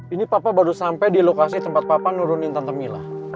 ini papa baru sampai di lokasi tempat papa nurunin tata mila